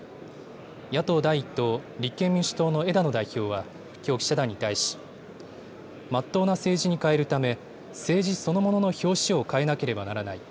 野党第１党、立憲民主党の枝野代表は、きょう、記者団に対し、まっとうな政治に変えるため、政治そのものの表紙を変えなければならない。